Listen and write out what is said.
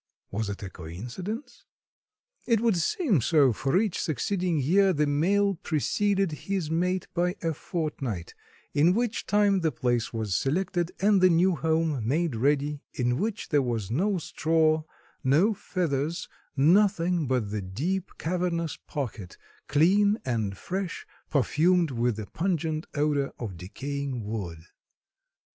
Was it a coincidence? It would seem so, for each succeeding year the male preceded his mate by a fortnight, in which time the place was selected and the new home made ready in which there was no straw, no feathers, nothing but the deep cavernous pocket, clean and fresh, perfumed with the pungent odor of decaying wood.